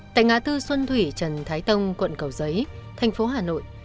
tại ngã tư xuân thủy trần thái tông quận cầu giấy thành phố hà nội